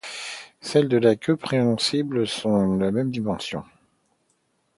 Celles de la queue préhensile sont de même dimension.